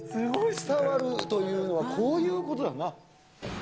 伝わるというのはこういうことだよな。